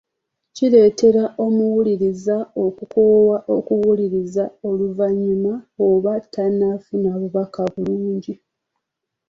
Kireetera omuwuliriza okukoowa okuwuliriza oluvannyuma aba takyafuna bubaka bulungi.